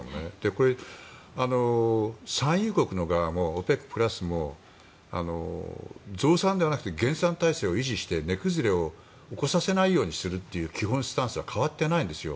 これ、産油国の側もＯＰＥＣプラスも増産ではなくて減産体制を維持して値崩れを起こさせないようにするという基本スタンスは変わってないんですよ。